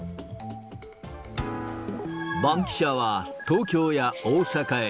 バンキシャは、東京や大阪へ。